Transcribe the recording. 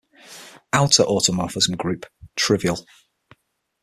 Outer automorphism group: Trivial.